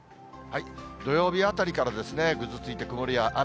土曜日あたりからぐずついて曇りや雨。